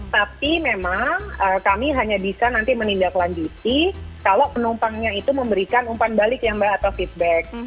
tapi memang kami hanya bisa nanti menindaklanjuti kalau penumpangnya itu memberikan umpan balik ya mbak atau feedback